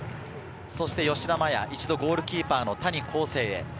そして吉田麻也、一度ゴールキーパーの谷晃生へ。